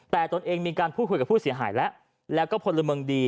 แต่ตนเองมีการพูดคุยกับผู้เสียหายแล้วแล้วก็พลเมืองดี